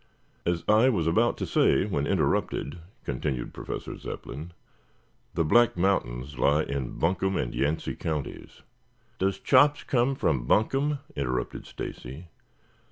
"As I was about to say when interrupted," continued Professor Zepplin, "the Black Mountains lie in Buncombe and Yancy counties " "Does Chops come from Buncombe?" interrupted Stacy.